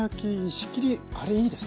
仕切りあれいいですね。